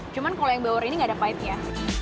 cuma kalau yang bawor ini tidak ada pahitnya